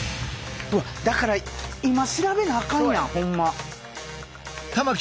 だから今調べなあかんやんホンマ。